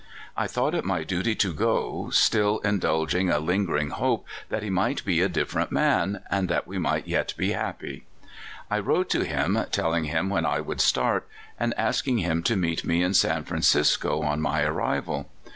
I thought it my duty to go, still indulg ing a lingering hope that he might be a difierent man, and that we might yet be happy. " I wrote to him, telling him when I would start, and asking him to meet me in San Francisco on my arrival.